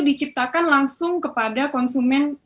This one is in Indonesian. diciptakan langsung kepada konsumen